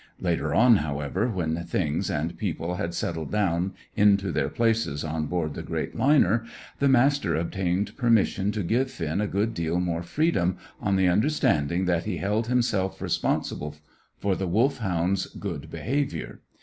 Later on, however, when things and people had settled down into their places on board the big liner, the Master obtained permission to give Finn a good deal more freedom, on the understanding that he held himself responsible for the Wolfhound's good behaviour.